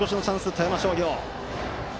富山商業。